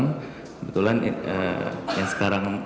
kebetulan yang sekarang